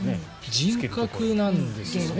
人格なんですよね